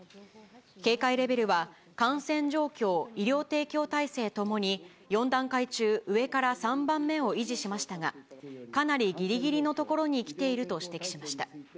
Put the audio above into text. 警戒レベルは、感染状況・医療提供体制ともに、４段階中、上から３番目を維持しましたが、かなりぎりぎりのところにきていると指摘しました。